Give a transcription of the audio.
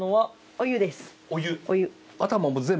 お湯。